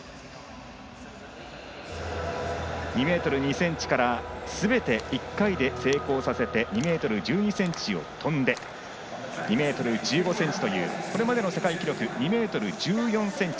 ２ｍ２ｃｍからすべて１回で成功させて２ｍ１２ｃｍを跳んで２ｍ１５ｃｍというこれまでの世界記録２ｍ１４ｃｍ